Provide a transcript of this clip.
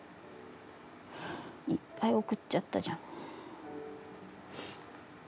いっぱい送っちゃったじゃない。